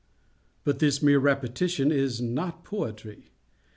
But this mere repetition is not poetry.